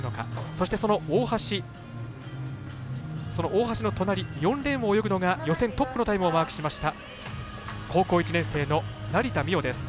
そして、大橋の隣４レーンを泳ぐのが予選トップのタイムをマークしました高校１年生の成田実生です。